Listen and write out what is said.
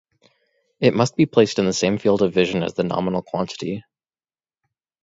It must be placed in the same field of vision as the nominal quantity.